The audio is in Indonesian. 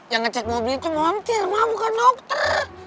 yang ngecek mobil itu montir mak bukan dokter